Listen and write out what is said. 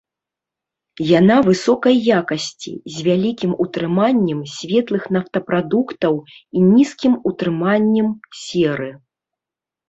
Яна высокай якасці, з вялікім утрыманнем светлых нафтапрадуктаў і нізкім утрыманнем серы.